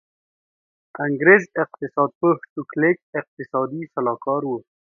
انګرېز اقتصاد پوه ټو کلیک اقتصادي سلاکار و.